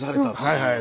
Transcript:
はいはい。